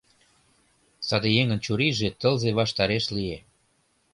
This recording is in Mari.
Саде еҥын чурийже тылзе ваштареш лие.